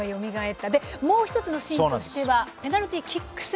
もう１つのシーンとしてはペナルティーキック戦。